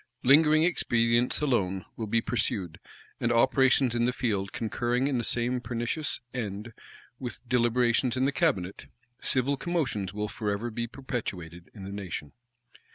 Lingering expedients alone will be pursued; and operations in the field concurring in the same pernicious end with deliberations in the cabinet, civil commotions will forever be perpetuated in the nation.